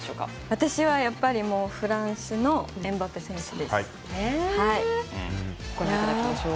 やっぱりフランスのエムバペ選手です。